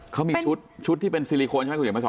เขามีชุดที่เป็นซิลิโคนใช่ไหมคุณเดี๋ยวมาส